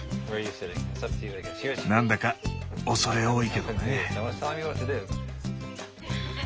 なんだか畏れ多いけどね。